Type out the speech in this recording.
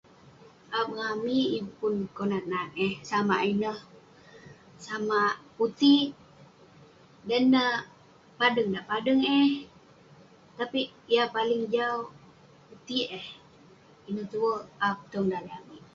Ap ngan amik yeng pun konak nat eh, samak ineh. Samak putik. Dan neh padeng dak padeng eh...tapik yah paling jau, putik eh. Ineh tuek ap tong daleh amik.